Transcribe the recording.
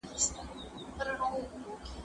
زه بايد ونې ته اوبه ورکړم؟